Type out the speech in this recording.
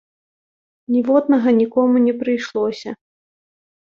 Ніводнага нікому не прыйшлося.